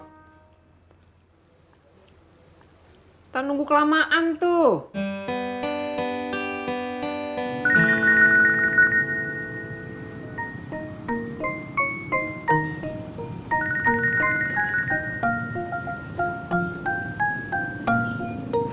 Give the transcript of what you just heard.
kita nunggu kelamaan tuh